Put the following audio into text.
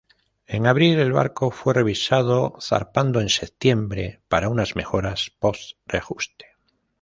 En abril, el barco fue revisado, zarpando en septiembre para unas mejoras post reajuste.